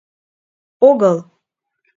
Огыл.